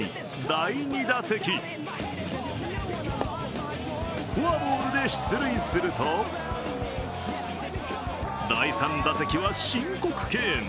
第２打席フォアボールで出塁すると第３打席は申告敬遠。